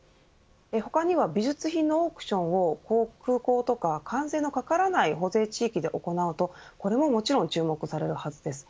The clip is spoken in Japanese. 他には美術品のオークションを空港とか関税のかからない保税地域で行うとこれももちろん注目されるはずです。